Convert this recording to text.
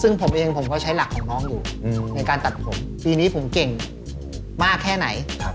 ในการตัดผมปีนี้ผมเก่งมากแค่ไหน